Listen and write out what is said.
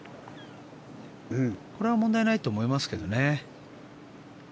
これは問題ないと思いますけどね。